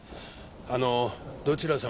あのどちら様？